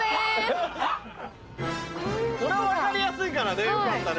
これ分かりやすいからよかったね。